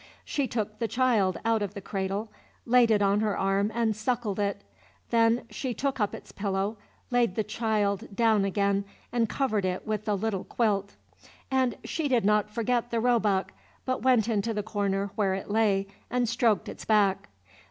She took the child out of the cradle, laid it on her arm, and suckled it. Then she shook up its pillow, laid the child down again, and covered it with the little quilt. And she did not forget the roebuck, but went into the corner where it lay, and stroked its back.